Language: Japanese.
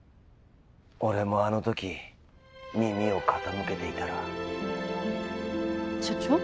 俺もあのとき耳を傾けていたら所長？